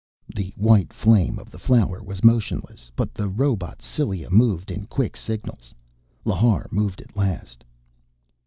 The white flame of the flower was motionless, but the robot's cilia moved in quick signals. Lhar moved at last.